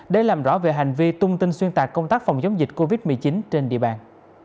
để làm rõ về hành vi tung tin xuyên tạc công tác phòng chống dịch covid một mươi chín trên địa bàn